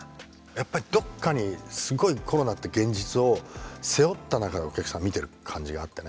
やっぱりどっかにすごいコロナって現実を背負った中でお客さん見てる感じがあってね。